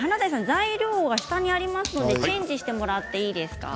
材料が下にありますのでチェンジしてもらっていいですか。